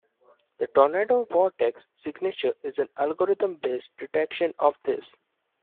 The tornado vortex signature is an algorithm-based detection of this.